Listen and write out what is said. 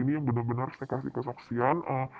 ini yang benar benar saya kasih kesaksian